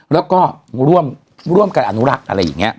แล้วก็ร่วมกันอนุรักษ์อะไรอย่างนี้